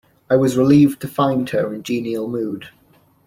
I was relieved to find her in genial mood.